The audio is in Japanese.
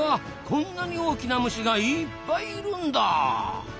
こんなに大きな虫がいっぱいいるんだ！